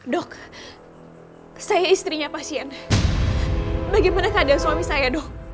dok saya istrinya pasien bagaimana keadaan suami saya dok